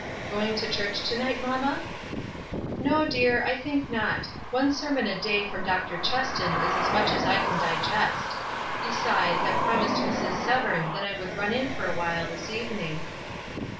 ''Going to church to night, mamma?" "No, dear, I think not. One sermon a day from Dr. Cheston is as much as I can digest. Besides, I promised Mrs. Severn that I would run in for a while this evening."